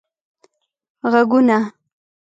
ږغونه